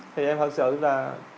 thì em thật sự là